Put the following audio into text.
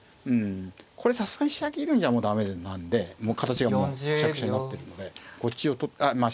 これさすがに飛車切るんじゃもう駄目なんで形がもうくしゃくしゃになってるのでこっちをあ